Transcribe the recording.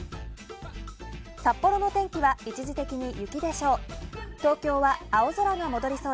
札幌の天気は一時的に雪でしょう。